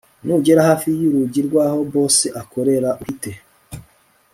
nugera hafi yurugi rwaho boss akorera uhite